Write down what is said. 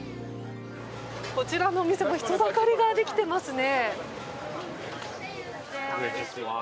こちらのお店も人だかりができていますね。